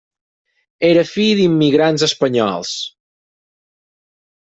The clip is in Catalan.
Era fill d'immigrants espanyols.